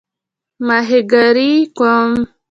ماهیګیري کوم؟